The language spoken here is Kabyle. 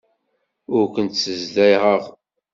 Ur kent-ssezdaɣeɣ.